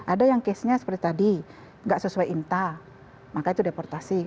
ada yang kesnya seperti tadi nggak sesuai imtah maka itu deportasi